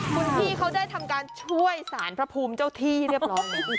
คุณพี่เขาได้ทำการช่วยสารพระภูมิเจ้าที่เรียบร้อยแล้ว